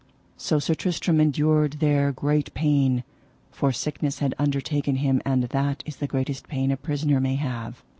So Sir Tristram endured there great pain, for sickness had undertaken him, and that is the greatest pain a prisoner may have.